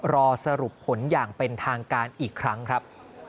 รอสรุปผลอย่างเป็นทางการอีกครั้งครับ